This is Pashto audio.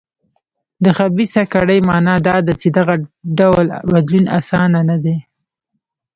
د خبیثه کړۍ معنا دا ده چې دغه ډول بدلون اسانه نه دی.